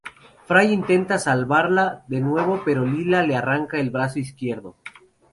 Fry intenta salvarla de nuevo pero Leela le arranca el brazo izquierdo.